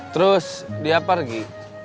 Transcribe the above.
terus dia pergi